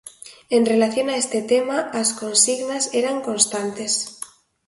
En relación a este tema as consignas eran constantes.